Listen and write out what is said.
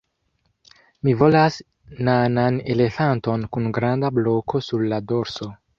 Mi volas nanan elefanton kun granda bloko sur la dorso